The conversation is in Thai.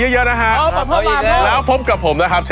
โอ๊ยไม่เป็นอะไร